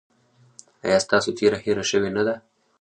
ایا ستاسو تیره هیره شوې نه ده؟